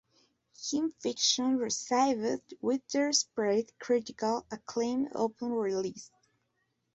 "Gimme Fiction" received widespread critical acclaim upon release.